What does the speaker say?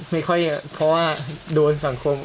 ไม่ค่อยเพราะว่าโดนสังคม